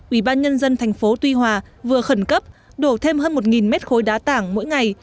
ủy ban nhân dân thành phố tuy hòa vừa khẩn cấp đổ thêm hơn một mét khối đá tảng mỗi ngày